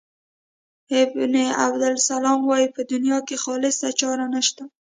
ابن عبدالسلام وايي په دنیا کې خالصه چاره نشته.